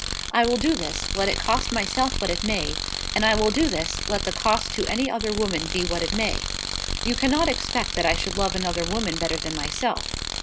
I will do this, let it cost myself what it may; and I will do this let the cost to any other woman be what it may. You cannot expect that I should love another woman better than myself."